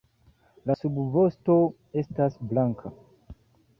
La subvosto estas blanka.